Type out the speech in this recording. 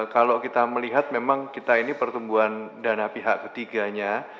kalau kita melihat memang kita ini pertumbuhan dana pihak ketiganya